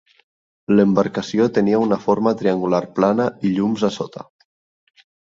L'embarcació tenia una forma triangular plana i llums a sota.